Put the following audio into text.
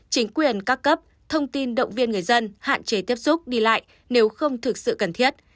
chính quyền các cấp thông tin động viên người dân hạn chế tiếp xúc đi lại nếu không thực sự cần thiết